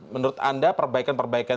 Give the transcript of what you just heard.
menurut anda perbaikan perbaikan